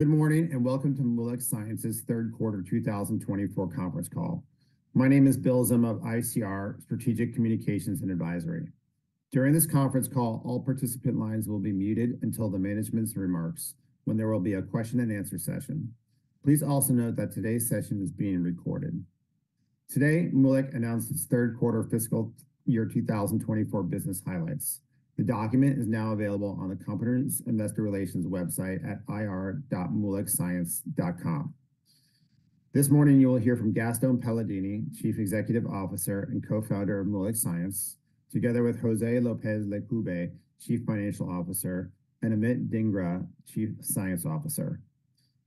Good morning, and welcome to Moolec Science's third quarter 2024 conference call. My name is Bill Zima of ICR Strategic Communications and Advisory. During this conference call, all participant lines will be muted until the management's remarks, when there will be a question and answer session. Please also note that today's session is being recorded. Today, Moolec Science announced its third quarter fiscal year 2024 business highlights. The document is now available on the company's investor relations website at ir.moolecscience.com. This morning, you will hear from Gaston Paladini, Chief Executive Officer and Co-Founder of Moolec Science, together with Jose Lopez Lecube, Chief Financial Officer, and Amit Dhingra, Chief Science Officer.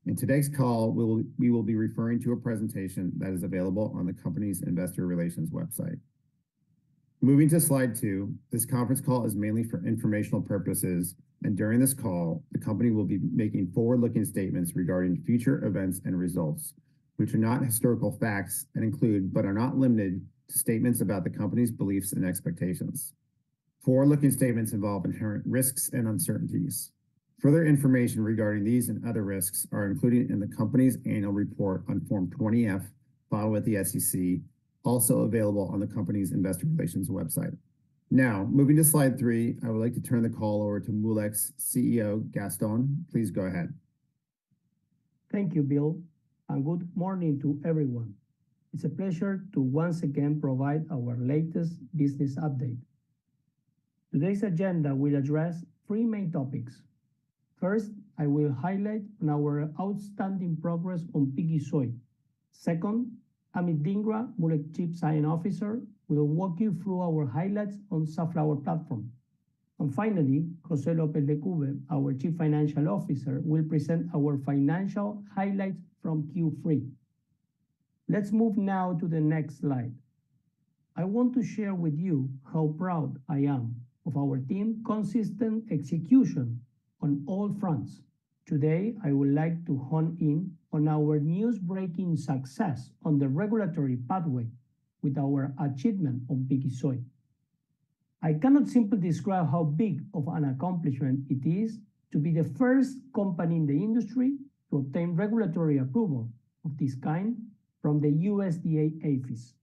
In today's call, we will be referring to a presentation that is available on the company's investor relations website. Moving to slide two, this conference call is mainly for informational purposes, and during this call, the company will be making forward-looking statements regarding future events and results, which are not historical facts and include, but are not limited to, statements about the company's beliefs and expectations. Forward-looking statements involve inherent risks and uncertainties. Further information regarding these and other risks are included in the company's annual report on Form 20-F, filed with the SEC, also available on the company's investor relations website. Now, moving to slide three, I would like to turn the call over to Moolec's CEO, Gaston. Please go ahead. Thank you, Bill, and good morning to everyone. It's a pleasure to once again provide our latest business update. Today's agenda will address three main topics. First, I will highlight on our outstanding progress on Piggy Sooy. Second, Amit Dhingra, Moolec's Chief Science Officer, will walk you through our highlights on safflower platform. And finally, Jose Lopez Lecube, our Chief Financial Officer, will present our financial highlights from Q3. Let's move now to the next slide. I want to share with you how proud I am of our team's consistent execution on all fronts. Today, I would like to hone in on our news-breaking success on the regulatory pathway with our achievement on Piggy Sooy. I cannot simply describe how big of an accomplishment it is to be the first company in the industry to obtain regulatory approval of this kind from the USDA APHIS.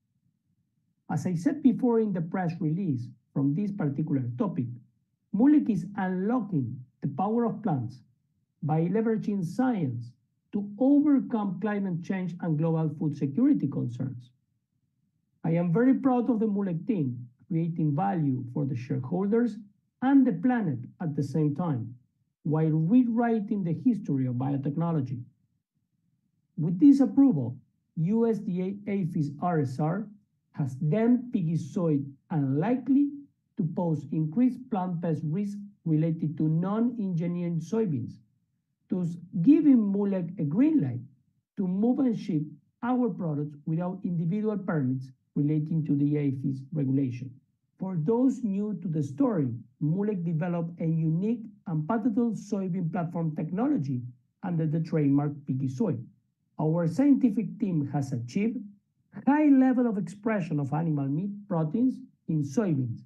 As I said before in the press release from this particular topic, Moolec is unlocking the power of plants by leveraging science to overcome climate change and global food security concerns. I am very proud of the Moolec team, creating value for the shareholders and the planet at the same time, while rewriting the history of biotechnology. With this approval, USDA APHIS RSR has deemed Piggy Sooy unlikely to pose increased plant pest risk related to non-engineered soybeans, thus giving Moolec a green light to move and ship our products without individual permits relating to the APHIS regulation. For those new to the story, Moolec developed a unique and patented soybean platform technology under the trademark Piggy Sooy. Our scientific team has achieved high level of expression of animal meat proteins in soybeans,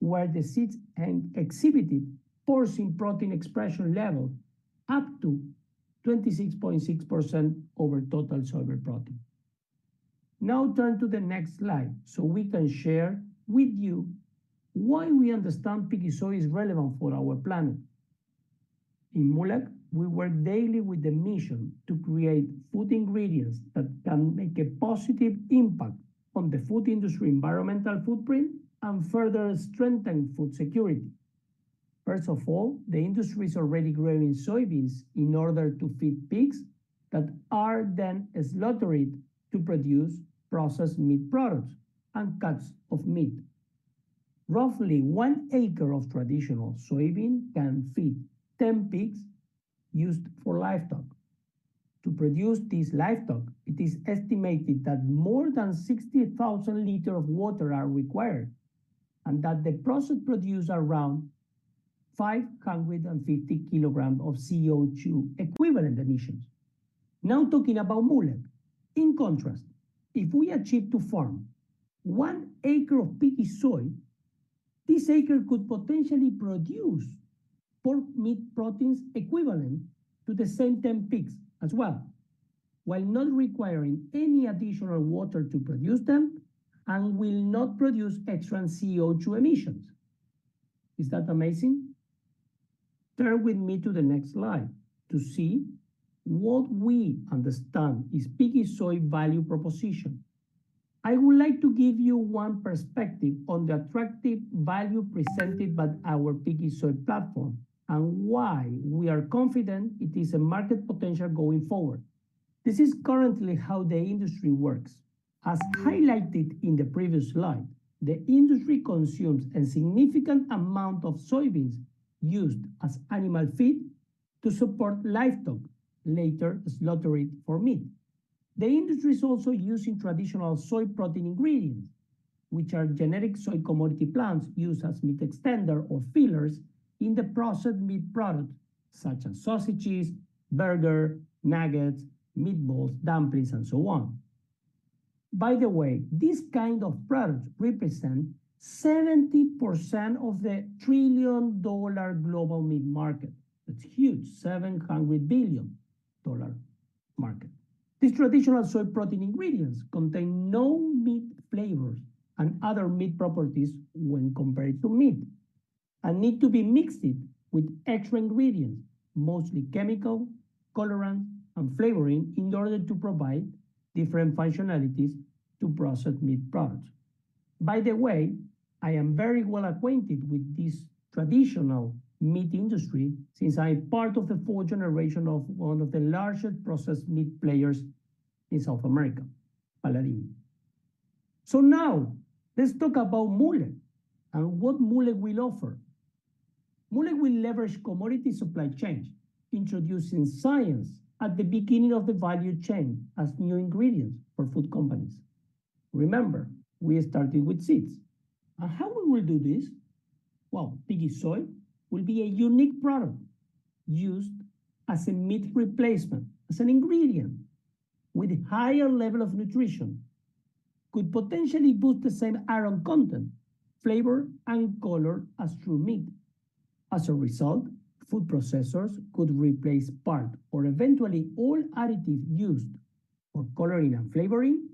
where the seeds and exhibited porcine protein expression level up to 26.6% over total soybean protein. Now, turn to the next slide, so we can share with you why we understand Piggy Sooy is relevant for our planet. In Moolec, we work daily with the mission to create food ingredients that can make a positive impact on the food industry environmental footprint and further strengthen food security. First of all, the industry is already growing soybeans in order to feed pigs that are then slaughtered to produce processed meat products and cuts of meat. Roughly one acre of traditional soybean can feed 10 pigs used for livestock. To produce this livestock, it is estimated that more than 60,000 liters of water are required and that the process produce around 550 kilograms of CO2 equivalent emissions. Now, talking about Moolec, in contrast, if we achieve to farm 1 acre of Piggy Sooy, this acre could potentially produce pork meat proteins equivalent to the same 10 pigs as well, while not requiring any additional water to produce them and will not produce extra CO2 emissions. Is that amazing? Turn with me to the next slide to see what we understand is Piggy Sooy value proposition. I would like to give you one perspective on the attractive value presented by our Piggy Sooy platform and why we are confident it is a market potential going forward. This is currently how the industry works. As highlighted in the previous slide, the industry consumes a significant amount of soybeans used as animal feed to support livestock, later slaughtered for meat. The industry is also using traditional soy protein ingredients, which are generic soy commodity plants used as meat extender or fillers in the processed meat products such as sausages, burger, nuggets, meatballs, dumplings, and so on.... By the way, this kind of product represent 70% of the trillion-dollar global meat market. That's huge, $700 billion market. These traditional soy protein ingredients contain no meat flavors and other meat properties when compared to meat, and need to be mixed with extra ingredients, mostly chemical, colorant, and flavoring, in order to provide different functionalities to processed meat products. By the way, I am very well acquainted with this traditional meat industry since I'm part of the fourth generation of one of the largest processed meat players in South America, Paladini. So now let's talk about Moolec and what Moolec will offer. Moolec will leverage commodity supply chains, introducing science at the beginning of the value chain as new ingredients for food companies. Remember, we are starting with seeds. And how we will do this? Well, Piggy Sooy will be a unique product used as a meat replacement, as an ingredient with a higher level of nutrition, could potentially boost the same iron content, flavor, and color as true meat. As a result, food processors could replace part or eventually all additives used for coloring and flavoring,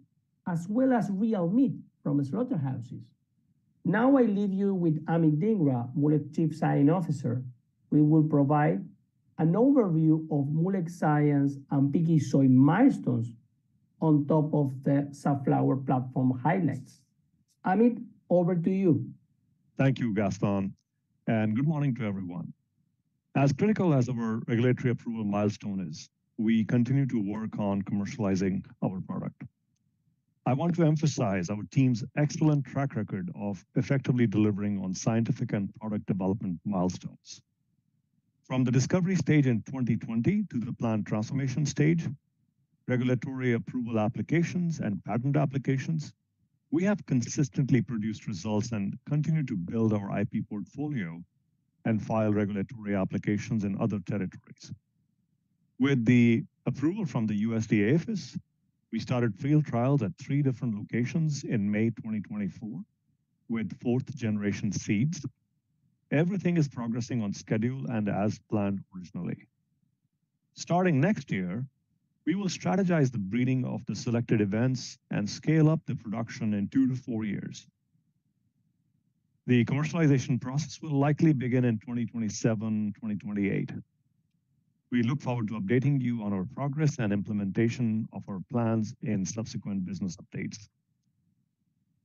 as well as real meat from slaughterhouses. Now, I leave you with Amit Dhingra, Moolec Chief Science Officer, who will provide an overview of Moolec Science and Piggy Sooy milestones on top of the safflower platform highlights. Amit, over to you. Thank you, Gaston, and good morning to everyone. As critical as our regulatory approval milestone is, we continue to work on commercializing our product. I want to emphasize our team's excellent track record of effectively delivering on scientific and product development milestones. From the discovery stage in 2020 to the plant transformation stage, regulatory approval applications, and patent applications, we have consistently produced results and continued to build our IP portfolio and file regulatory applications in other territories. With the approval from the USDA APHIS, we started field trials at three different locations in May 2024, with 4th-generation seeds. Everything is progressing on schedule and as planned originally. Starting next year, we will strategize the breeding of the selected events and scale up the production in 2-4 years. The commercialization process will likely begin in 2027, 2028. We look forward to updating you on our progress and implementation of our plans in subsequent business updates.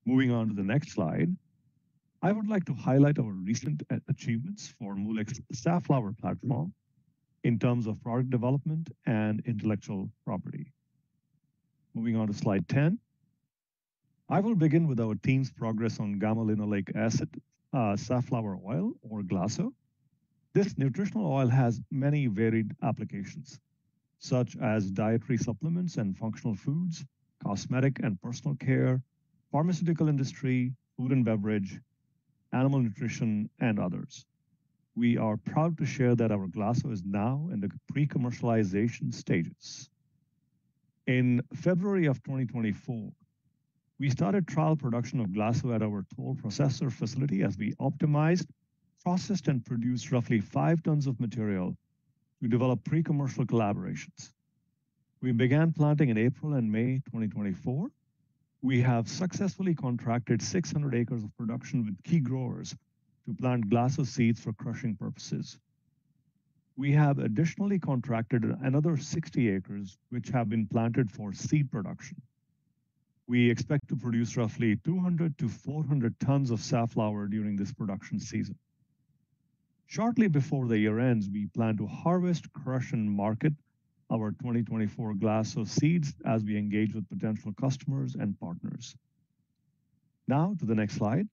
Moving on to the next slide, I would like to highlight our recent achievements for Moolec's safflower platform in terms of product development and intellectual property. Moving on to slide 10. I will begin with our team's progress on gamma-linolenic acid, safflower oil or GLASO. This nutritional oil has many varied applications, such as dietary supplements and functional foods, cosmetic and personal care, pharmaceutical industry, food and beverage, animal nutrition, and others. We are proud to share that our GLASO is now in the pre-commercialization stages. In February 2024, we started trial production of GLASO at our toll processor facility as we optimized, processed, and produced roughly 5 tons of material to develop pre-commercial collaborations. We began planting in April and May 2024. We have successfully contracted 600 acres of production with key growers to plant GLASO seeds for crushing purposes. We have additionally contracted another 60 acres, which have been planted for seed production. We expect to produce roughly 200-400 tons of safflower during this production season. Shortly before the year ends, we plan to harvest, crush, and market our 2024 GLASO seeds as we engage with potential customers and partners. Now, to the next slide.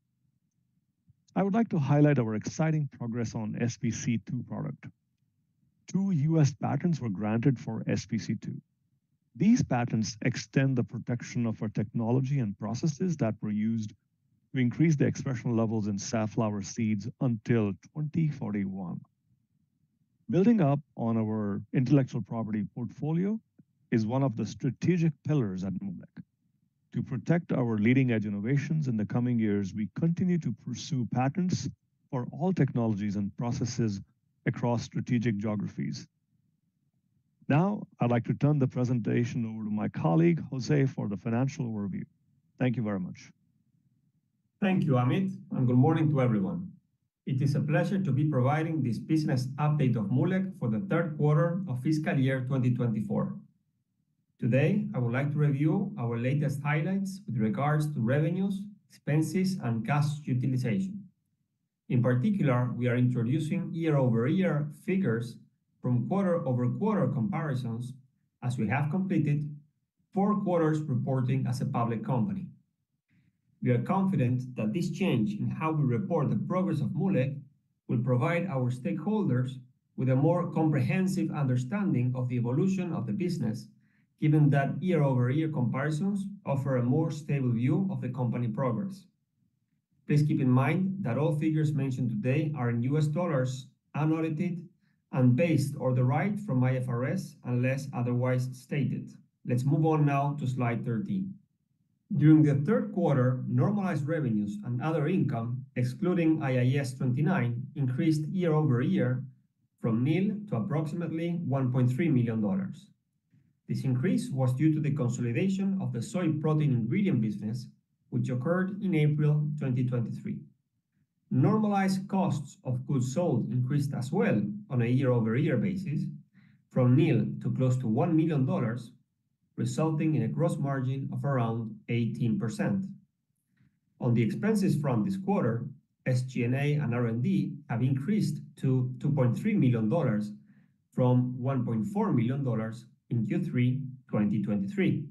I would like to highlight our exciting progress on SPC2 product. Two U.S. patents were granted for SPC2. These patents extend the protection of our technology and processes that were used to increase the expression levels in safflower seeds until 2041. Building up on our intellectual property portfolio is one of the strategic pillars at Moolec. To protect our leading-edge innovations in the coming years, we continue to pursue patents for all technologies and processes across strategic geographies. Now, I'd like to turn the presentation over to my colleague, Jose, for the financial overview. Thank you very much. Thank you, Amit, and good morning to everyone. It is a pleasure to be providing this business update of Moolec for the third quarter of fiscal year 2024. Today, I would like to review our latest highlights with regards to revenues, expenses, and cash utilization. In particular, we are introducing year-over-year figures from quarter-over-quarter comparisons, as we have completed four quarters reporting as a public company. We are confident that this change in how we report the progress of Moolec will provide our stakeholders with a more comprehensive understanding of the evolution of the business, given that year-over-year comparisons offer a more stable view of the company progress. Please keep in mind that all figures mentioned today are in US dollars, unaudited, and based or derived from IFRS, unless otherwise stated. Let's move on now to slide 13. During the third quarter, normalized revenues and other income, excluding IAS 29, increased year over year from nil to approximately $1.3 million. This increase was due to the consolidation of the soy protein ingredient business, which occurred in April 2023. Normalized costs of goods sold increased as well on a year-over-year basis from nil to close to $1 million, resulting in a gross margin of around 18%. On the expenses front this quarter, SG&A and R&D have increased to $2.3 million from $1.4 million in Q3 2023.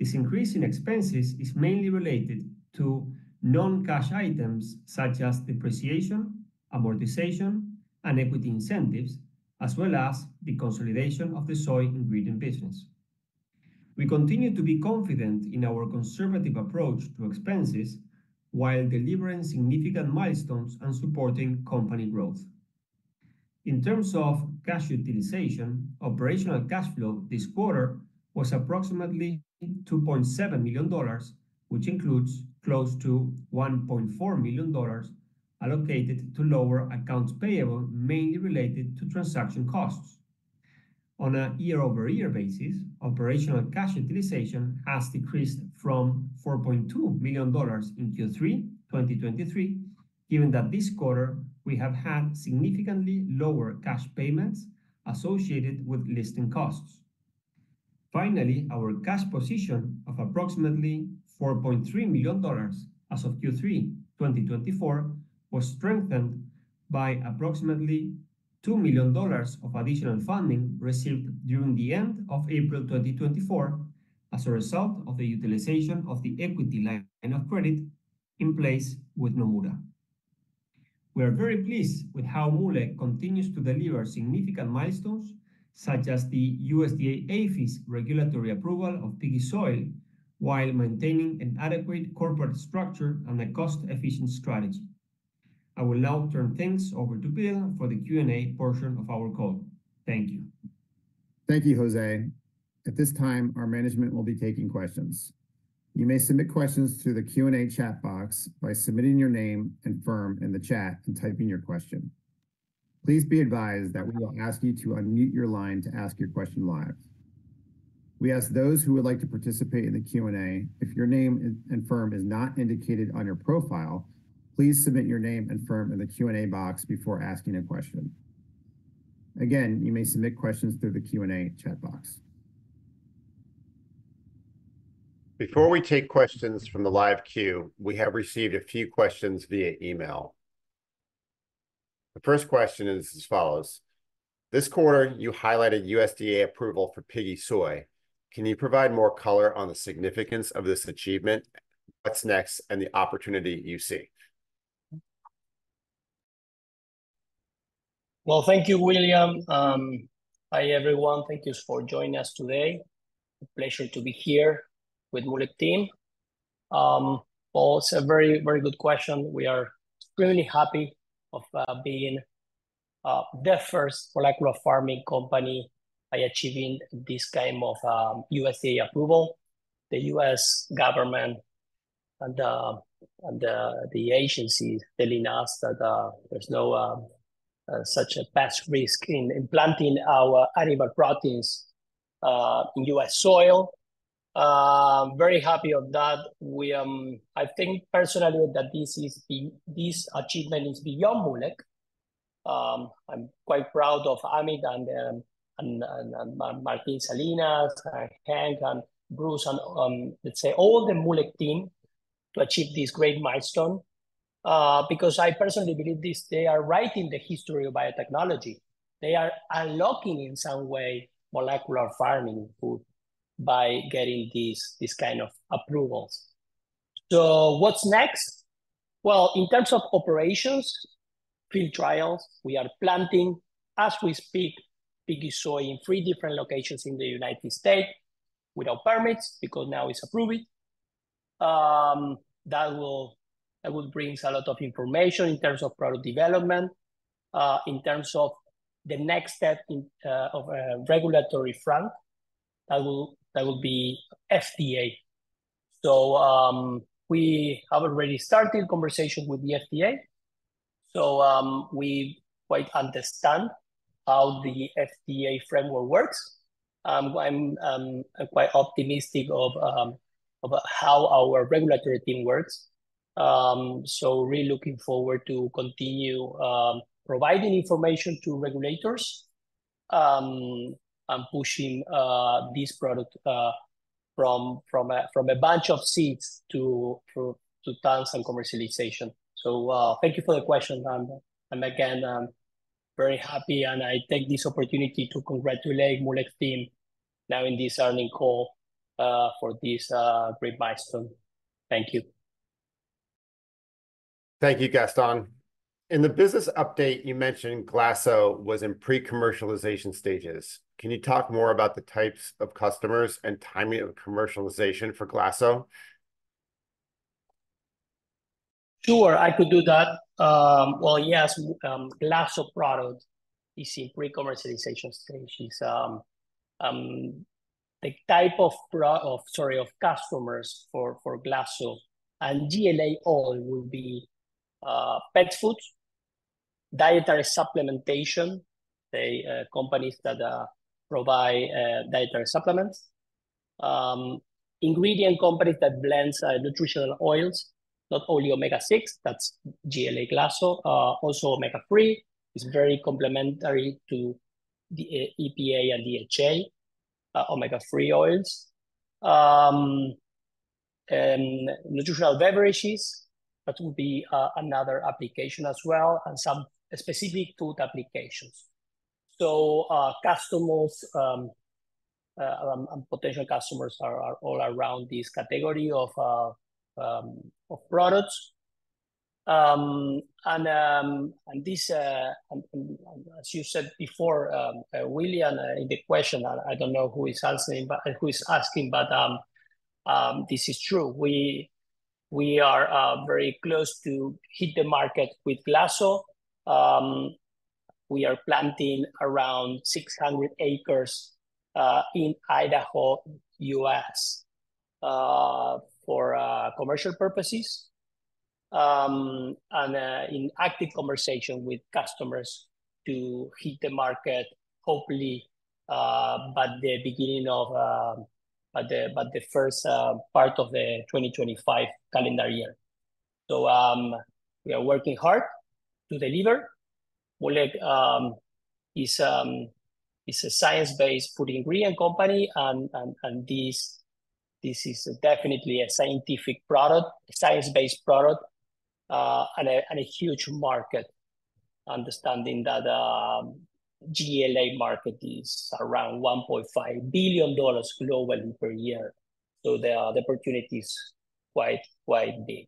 This increase in expenses is mainly related to non-cash items such as depreciation, amortization, and equity incentives, as well as the consolidation of the soy ingredient business. We continue to be confident in our conservative approach to expenses, while delivering significant milestones and supporting company growth. In terms of cash utilization, operational cash flow this quarter was approximately $2.7 million, which includes close to $1.4 million allocated to lower accounts payable, mainly related to transaction costs. On a year-over-year basis, operational cash utilization has decreased from $4.2 million in Q3 2023, given that this quarter we have had significantly lower cash payments associated with listing costs. Finally, our cash position of approximately $4.3 million as of Q3 2024 was strengthened by approximately $2 million of additional funding received during the end of April 2024, as a result of the utilization of the equity line of credit in place with Nomura. We are very pleased with how Moolec continues to deliver significant milestones, such as the USDA APHIS regulatory approval of Piggy Sooy, while maintaining an adequate corporate structure and a cost-efficient strategy. I will now turn things over to Bill for the Q&A portion of our call. Thank you. Thank you, Jose. At this time, our management will be taking questions. You may submit questions through the Q&A chat box by submitting your name and firm in the chat and typing your question. Please be advised that we will ask you to unmute your line to ask your question live. We ask those who would like to participate in the Q&A, if your name and firm is not indicated on your profile, please submit your name and firm in the Q&A box before asking a question. Again, you may submit questions through the Q&A chat box. Before we take questions from the live queue, we have received a few questions via email. The first question is as follows: "This quarter, you highlighted USDA approval for Piggy Sooy. Can you provide more color on the significance of this achievement, what's next, and the opportunity you see? Well, thank you, William. Hi, everyone. Thank you for joining us today. A pleasure to be here with Moolec team. It's a very, very good question. We are really happy of being the first molecular farming company by achieving this kind of USDA approval. The U.S. government and the agency telling us that there's no such a pest risk in planting our animal proteins in U.S. soil. Very happy of that. I think personally that this achievement is beyond Moolec. I'm quite proud of Amit and Martin Salinas, Henk, and Bruce, and let's say all the Moolec team, to achieve this great milestone. Because I personally believe this, they are writing the history of biotechnology. They are unlocking, in some way, molecular farming food by getting these kind of approvals. So what's next? Well, in terms of operations, field trials, we are planting, as we speak, Piggy Sooy in three different locations in the United States without permits, because now it's approved. That will bring us a lot of information in terms of product development. In terms of the next step of a regulatory front, that will be FDA. So we have already started conversation with the FDA, so we quite understand how the FDA framework works. I'm quite optimistic about how our regulatory team works. So really looking forward to continue providing information to regulators and pushing this product from a bunch of seeds to tons and commercialization. Thank you for the question, and again, I'm very happy, and I take this opportunity to congratulate Moolec team now in this earnings call, for this great milestone. Thank you. Thank you, Gaston. In the business update, you mentioned GLASO was in pre-commercialization stages. Can you talk more about the types of customers and timing of commercialization for GLASO? Sure, I could do that. Well, yes, GLASO product is in pre-commercialization stages. The type of customers for GLASO and GLA oil will be pet food, dietary supplementation, the companies that provide dietary supplements, ingredient companies that blend nutritional oils, not only omega-6, that's GLA GLASO, also omega-3 is very complementary to the EPA and DHA, omega-3 oils. And nutritional beverages, that would be another application as well, and some specific food applications. So, customers and potential customers are all around this category of products. And this, and as you said before, William, in the question, I don't know who is asking, but who is asking, but this is true. We are very close to hit the market with GLASO. We are planting around 600 acres in Idaho, U.S., for commercial purposes, and in active conversation with customers to hit the market, hopefully by the beginning of the first part of the 2025 calendar year. We are working hard to deliver. Moolec is a science-based food ingredient company, and this is definitely a scientific product, a science-based product, and a huge market, understanding that the GLA market is around $1.5 billion globally per year, so the opportunity is quite big.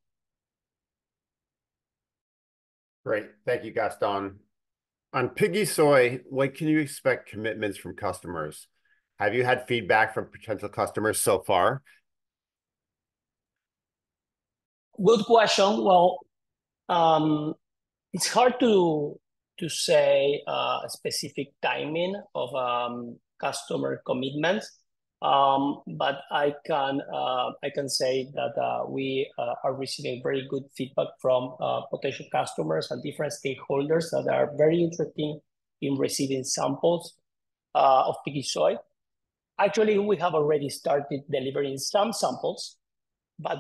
Great. Thank you, Gaston. On Piggy Sooy, when can you expect commitments from customers? Have you had feedback from potential customers so far? Good question. Well, it's hard to say a specific timing of customer commitments. But I can say that we are receiving very good feedback from potential customers and different stakeholders that are very interested in receiving samples of Piggy Sooy. Actually, we have already started delivering some samples, but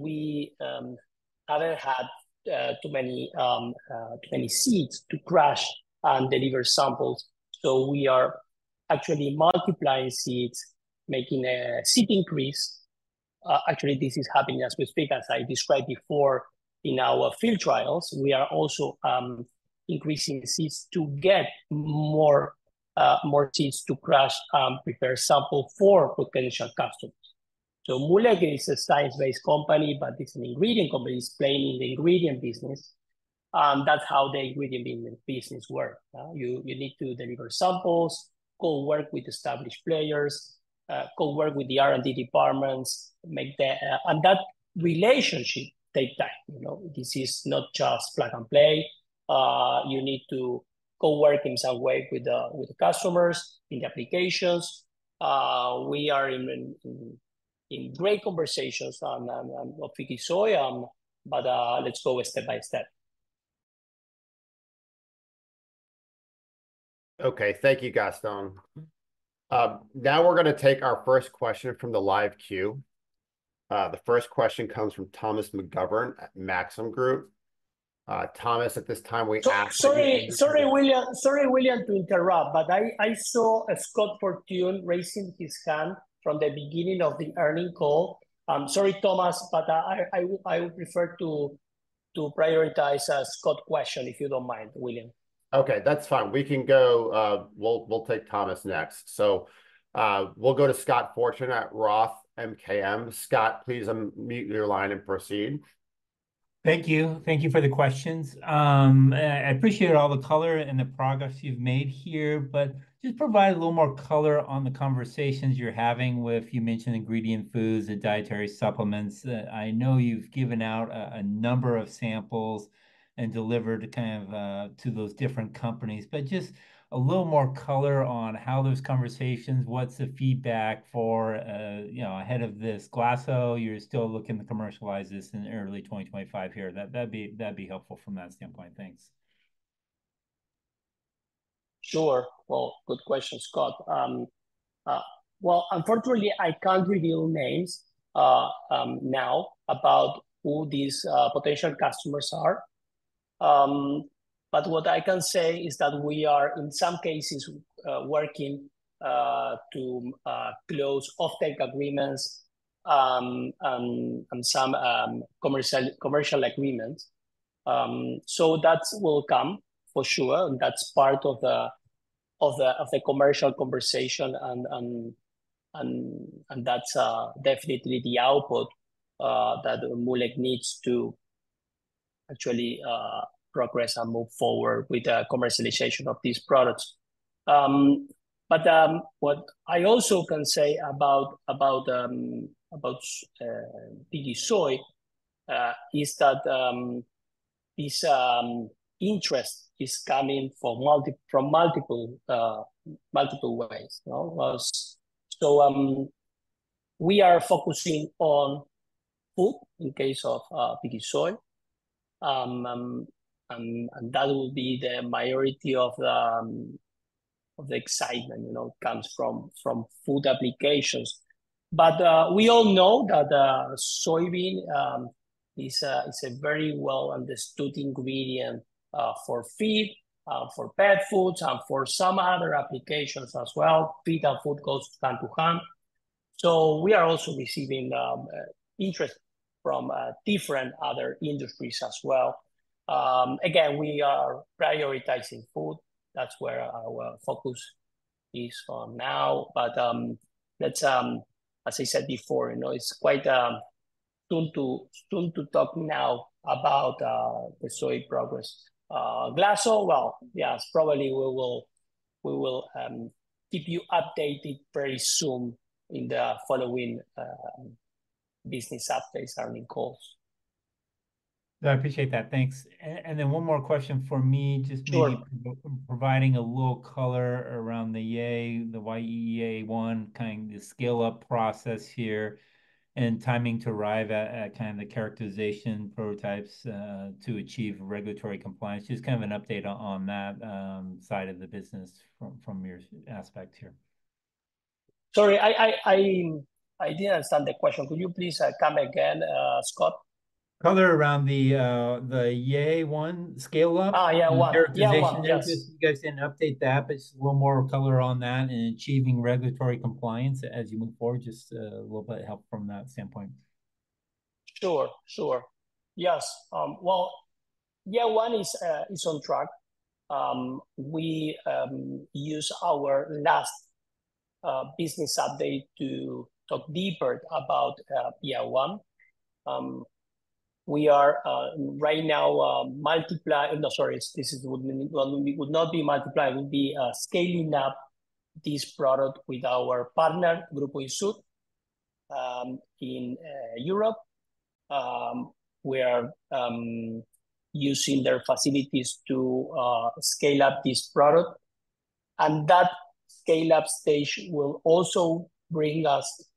we haven't had too many seeds to crush and deliver samples. So we are actually multiplying seeds, making a seed increase. Actually, this is happening as we speak. As I described before in our field trials, we are also increasing seeds to get more seeds to crush, prepare sample for potential customers. So Moolec is a science-based company, but it's an ingredient company. It's playing in the ingredient business, and that's how the ingredient business work, you, you need to deliver samples, co-work with established players, co-work with the R&D departments, make the... and that relationship takes time. You know, this is not just plug and play. You need to co-work in some way with the, with the customers in the applications. We are in, in, in great conversations on, on Piggy Sooy, but, let's go step by step. Okay, thank you, Gaston. Now we're gonna take our first question from the live queue. The first question comes from Thomas McGovern at Maxim Group. Thomas, at this time, we ask you- So, sorry, sorry, William, sorry, William, to interrupt, but I saw Scott Fortune raising his hand from the beginning of the earnings call. I'm sorry, Thomas, but I would prefer to prioritize Scott's question, if you don't mind, William. Okay, that's fine. We can go. We'll take Thomas next. So, we'll go to Scott Fortune at Roth MKM. Scott, please, mute your line and proceed. Thank you. Thank you for the questions. I appreciate all the color and the progress you've made here, but just provide a little more color on the conversations you're having with, you mentioned ingredient foods and dietary supplements. I know you've given out a number of samples and delivered kind of to those different companies, but just a little more color on how those conversations, what's the feedback for, you know, ahead of this GLASO, you're still looking to commercialize this in early 2025 here. That'd be, that'd be helpful from that standpoint. Thanks. Sure. Well, good question, Scott. Unfortunately, I can't reveal names now about who these potential customers are. But what I can say is that we are, in some cases, working to close offtake agreements, and some commercial agreements. So that will come for sure, and that's part of the commercial conversation, and that's definitely the output that Moolec needs to actually progress and move forward with the commercialization of these products. But what I also can say about Piggy Sooy is that this interest is coming from multiple ways, you know? So we are focusing on food in case of Piggy Sooy. And that will be the majority of the excitement, you know, comes from food applications. But we all know that soybean is a very well-understood ingredient for feed, for pet foods, and for some other applications as well. Pet and food goes hand to hand. So we are also receiving interest from different other industries as well. Again, we are prioritizing food, that's where our focus is for now. But that's, as I said before, you know, it's quite soon to talk now about the soy progress. GLASO, well, yes, probably we will keep you updated very soon in the following business updates earning calls. I appreciate that. Thanks. And then one more question from me. Sure... just maybe providing a little color around the YeeA1, kind of the scale-up process here, and timing to arrive at kind of the characterization prototypes to achieve regulatory compliance. Just kind of an update on that side of the business from your aspect here. Sorry, I didn't understand the question. Could you please come again, Scott? Color around the, the YeeA1 scale-up- YeeA1... characterization. YeeA1, yes. You guys didn't update that, but just a little more color on that and achieving regulatory compliance as you move forward. Just, a little bit of help from that standpoint. Sure, sure. Yes, well, YeeA1 is on track. We use our last business update to talk deeper about YeeA1. We are right now scaling up this product with our partner, Grupo Insud, in Europe. We are using their facilities to scale up this product, and that scale-up stage will also bring us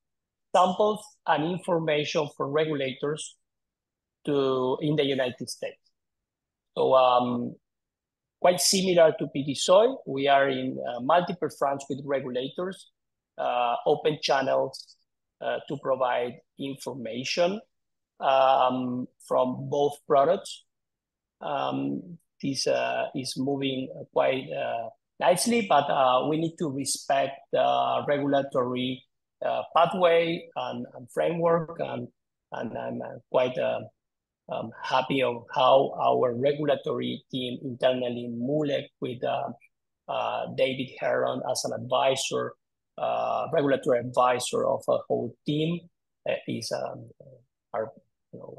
samples and information for regulators in the United States. So, quite similar to Piggy Sooy, we are in multiple fronts with regulators, open channels to provide information from both products. This is moving quite nicely, but we need to respect the regulatory pathway and framework. I'm quite happy of how our regulatory team internally, Moolec, with David Heering as an advisor, regulatory advisor of a whole team, is, are, you know,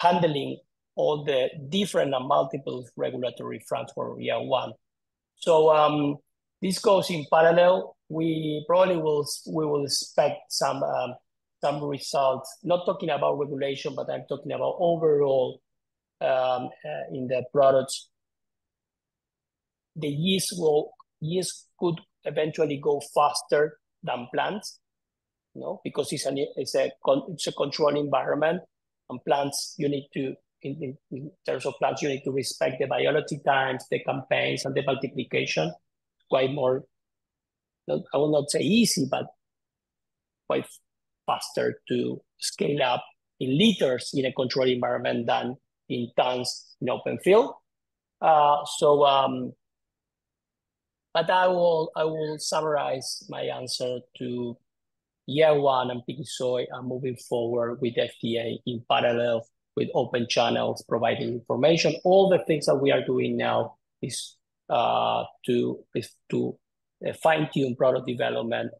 handling all the different and multiple regulatory fronts for YeeA1. So, this goes in parallel. We probably will- we will expect some, some results, not talking about regulation, but I'm talking about overall, in the products. The yeast will, yeast could eventually go faster than plants, you know, because it's a controlled environment, and plants, you need to, in terms of plants, you need to respect the biology times, the campaigns, and the multiplication. It's quite more, I will not say easy, but quite faster to scale up in liters in a controlled environment than in tons in open field. So, but I will, I will summarize my answer to YeeA1 and Piggy Sooy are moving forward with FDA in parallel, with open channels, providing information. All the things that we are doing now is to fine-tune product development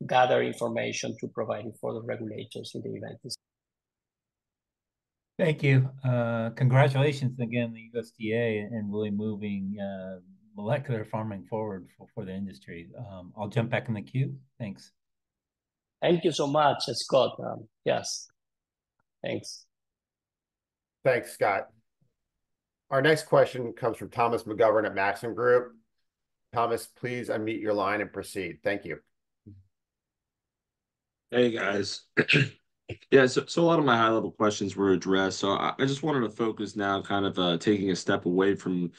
and gather information to provide for the regulators in the United States. Thank you. Congratulations again, the USDA, and really moving molecular farming forward for the industry. I'll jump back in the queue. Thanks. Thank you so much, Scott. Yes, thanks. Thanks, Scott. Our next question comes from Thomas McGovern at Maxim Group. Thomas, please unmute your line and proceed. Thank you. Hey, guys. Yeah, so a lot of my high-level questions were addressed, so I just wanted to focus now kind of taking a step away from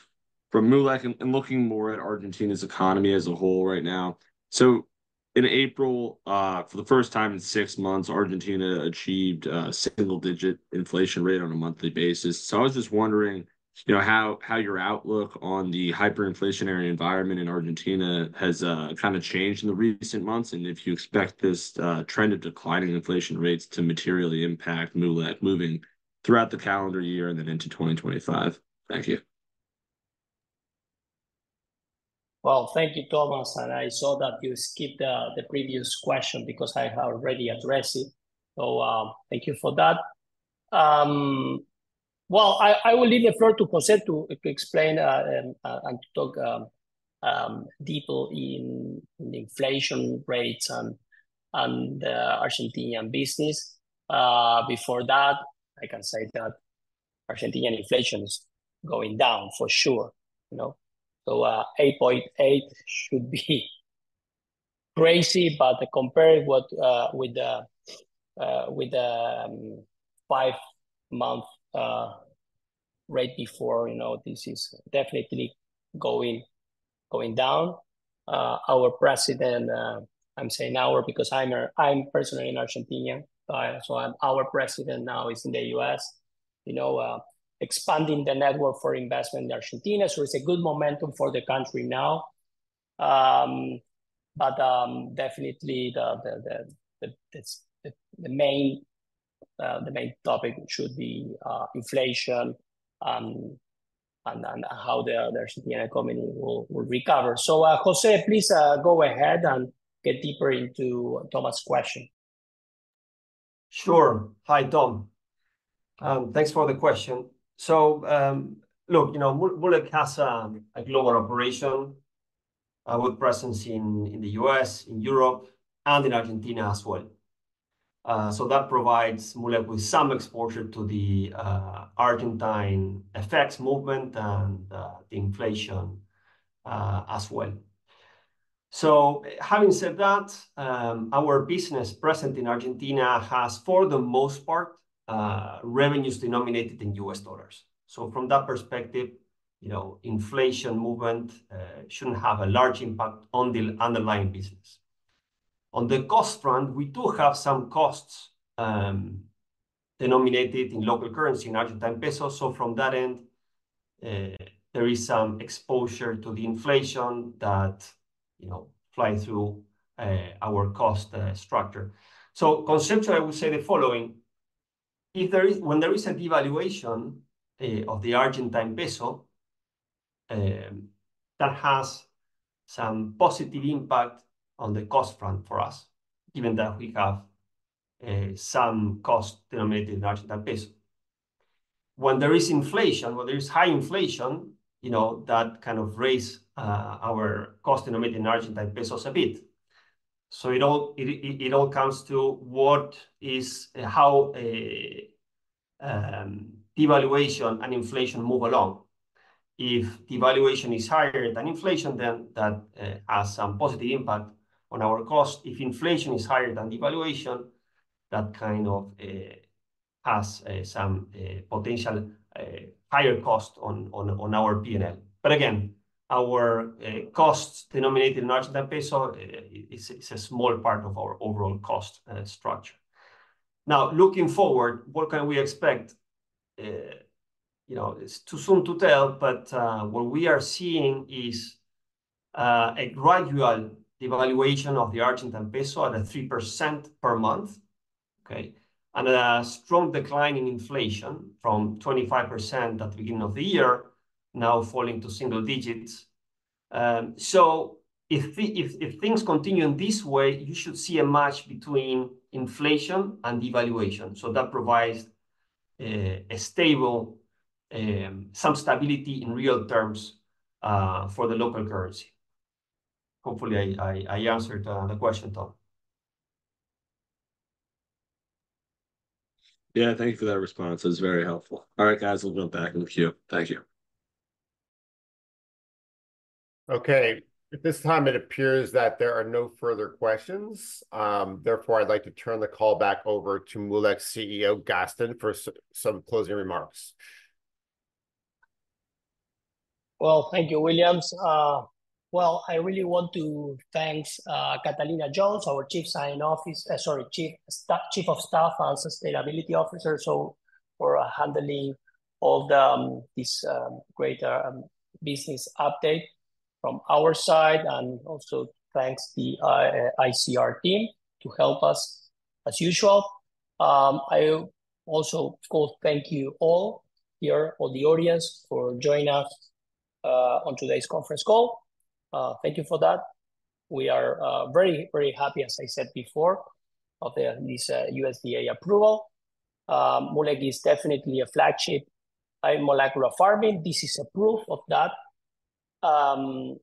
Moolec and looking more at Argentina's economy as a whole right now. So in April, for the first time in six months, Argentina achieved single-digit inflation rate on a monthly basis. So I was just wondering, you know, how your outlook on the hyperinflationary environment in Argentina has kind of changed in the recent months, and if you expect this trend of declining inflation rates to materially impact Moolec moving throughout the calendar year and then into 2025. Thank you.... Well, thank you, Thomas, and I saw that you skipped the previous question because I have already addressed it, so thank you for that. Well, I will leave the floor to Jose to explain and to talk deeper in the inflation rates and the Argentinian business. Before that, I can say that Argentinian inflation is going down for sure, you know? So, 8.8 should be crazy, but compared what with the five-month rate before, you know, this is definitely going down. Our president, I'm saying our because I'm personally an Argentinian, so our president now is in the US, you know, expanding the network for investment in Argentina, so it's a good momentum for the country now. But definitely the main topic should be inflation, and then how the Argentine economy will recover. So, Jose, please, go ahead and get deeper into Thomas' question. Sure. Hi, Tom. Thanks for the question. So, look, you know, Moolec has a global operation with presence in the US, in Europe, and in Argentina as well. So that provides Moolec with some exposure to the Argentine economic movement and the inflation as well. So having said that, our business presence in Argentina has, for the most part, revenues denominated in US dollars. So from that perspective, you know, inflation movement shouldn't have a large impact on the underlying business. On the cost front, we do have some costs denominated in local currency, in Argentine peso, so from that end there is some exposure to the inflation that, you know, flows through our cost structure. So conceptually, I would say the following: if there is... When there is a devaluation of the Argentine peso, that has some positive impact on the cost front for us, given that we have some cost denominated in Argentine peso. When there is inflation, when there is high inflation, you know, that kind of raise our cost denominated in Argentine pesos a bit. So it all comes to what is how devaluation and inflation move along. If devaluation is higher than inflation, then that has some positive impact on our cost. If inflation is higher than devaluation, that kind of has some potential higher cost on our P&L. But again, our costs denominated in Argentine peso, it's a small part of our overall cost structure. Now, looking forward, what can we expect? You know, it's too soon to tell, but what we are seeing is a gradual devaluation of the Argentine peso at a 3% per month, okay? And a strong decline in inflation from 25% at the beginning of the year, now falling to single digits. So if things continue in this way, you should see a match between inflation and devaluation, so that provides a stable, some stability in real terms, for the local currency. Hopefully, I answered the question, Tom. Yeah, thank you for that response. It was very helpful. All right, guys, we'll go back in the queue. Thank you. Okay, at this time it appears that there are no further questions. Therefore, I'd like to turn the call back over to Moolec's CEO, Gaston, for some closing remarks. Well, thank you, Bill. Well, I really want to thank Catalina Jones, our Chief of Staff and Sustainability Officer, for handling all this great business update from our side, and also thank the ICR team to help us as usual. I also want to thank you all here, all the audience, for joining us on today's conference call. Thank you for that. We are very, very happy, as I said before, of this USDA approval. Moolec is definitely a flagship in molecular farming. This is a proof of that. And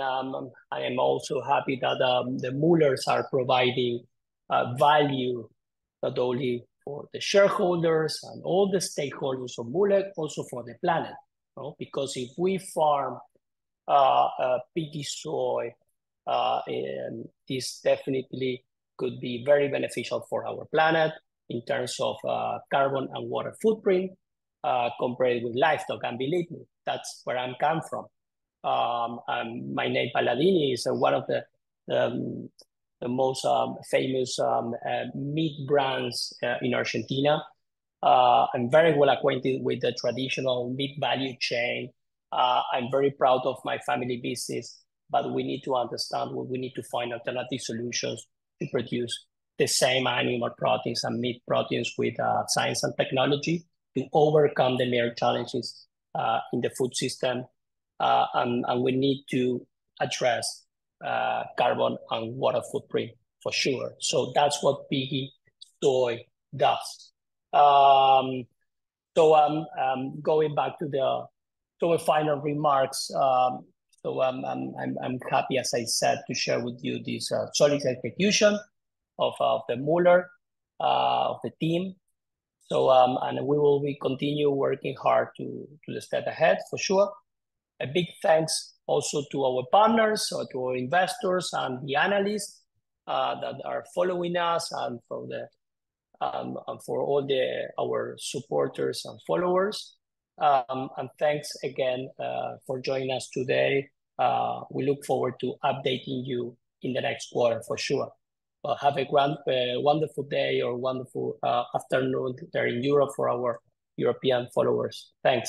I am also happy that the Moolec's are providing value, not only for the shareholders and all the stakeholders of Moolec, also for the planet, no? Because if we farm Piggy Sooy, and this definitely could be very beneficial for our planet in terms of carbon and water footprint compared with livestock. And believe me, that's where I'm come from. My name Paladini is one of the most famous meat brands in Argentina. I'm very well acquainted with the traditional meat value chain. I'm very proud of my family business, but we need to understand what we need to find alternative solutions to produce the same animal proteins and meat proteins with science and technology to overcome the major challenges in the food system. And we need to address carbon and water footprint for sure. So that's what Piggy Sooy does. So, going back to the final remarks, I'm happy, as I said, to share with you this solid execution of the Moolec team. And we will be continue working hard to the step ahead, for sure. A big thanks also to our partners or to our investors and the analysts that are following us, and for all our supporters and followers. And thanks again for joining us today. We look forward to updating you in the next quarter for sure. Have a great wonderful day or wonderful afternoon there in Europe for our European followers. Thanks.